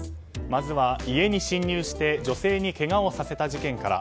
まずは、家に侵入して女性にけがをさせた事件から。